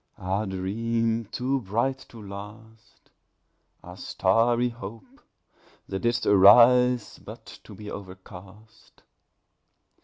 Ah, Dream too bright to last! Ah starry Hope! that didst arise But to be overcast!